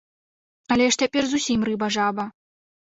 Але ж цяпер зусім рыба-жаба!